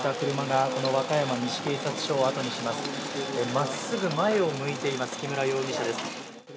真っすぐ前を向いています木村容疑者です。